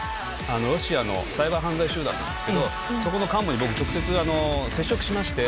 ロシアのサイバー犯罪集団なんですけど、そこの幹部に僕、直接、接触しまして。